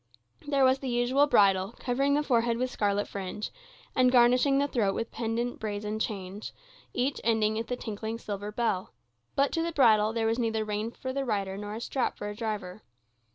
There was the usual bridle, covering the forehead with scarlet fringe, and garnishing the throat with pendent brazen chains, each ending with a tinkling silver bell; but to the bridle there was neither rein for the rider nor strap for a driver.